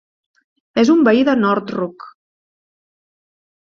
És un veí de North Rock.